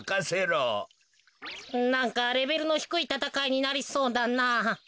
なんかレベルのひくいたたかいになりそうだな。